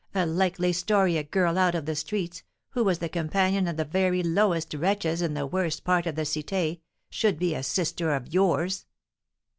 A likely story a girl out of the streets, who was the companion of the very lowest wretches in the worst part of the Cité, should be a sister of yours!"